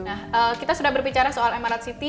nah kita sudah berbicara soal emerald city